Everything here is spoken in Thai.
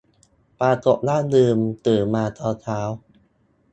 ปรากฏว่าลืม ตื่นมาตอนเช้า